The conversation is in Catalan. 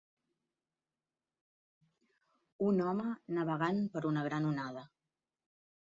Un home navegant per una gran onada.